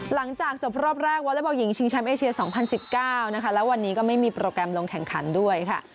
หลังจากจบรอบแรกวอเล็กบอลหญิงชิงแชมป์เอเชีย๒๐๑๙นะคะแล้ววันนี้ก็ไม่มีโปรแกรมลงแข่งขันด้วยค่ะ